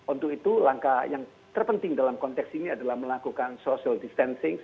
untuk itu langkah yang terpenting dalam konteks ini adalah melakukan social distancing